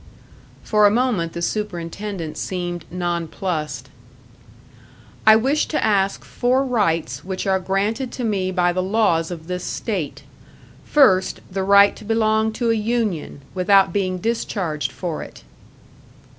For a moment the superintendent seemed nonplussed. "I wish to ask four rights which are granted to me by the laws of this state. First, the right to belong to a union, without being discharged for it."